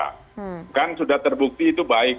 kan sudah terbukti itu baik